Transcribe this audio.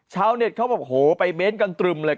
ชาวเน็ตเขาบอกโหไปเม้นต์กันตรึมเลย